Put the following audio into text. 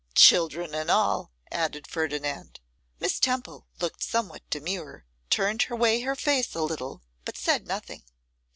'Children and all,' added Ferdinand. Miss Temple looked somewhat demure, turned away her face a little, but said nothing.